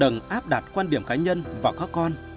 đừng áp đặt quan điểm cá nhân và các con